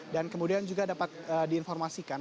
dan kemudian juga dapat diinformasikan